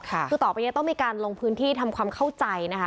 คือต่อไปนี้ต้องมีการลงพื้นที่ทำความเข้าใจนะคะ